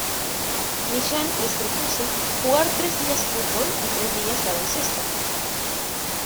Millán les propuso jugar tres días fútbol y tres días baloncesto.